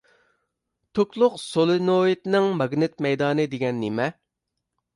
توكلۇق سولېنوئىدنىڭ ماگنىت مەيدانى دېگەن نېمە؟